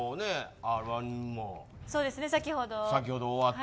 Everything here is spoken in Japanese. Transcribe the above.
そうですね、先ほど。